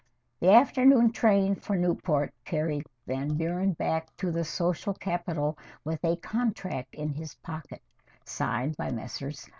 The afternoon train for Newport carried Van Buren back to the social capital with a contract in his pocket, signed by Messrs.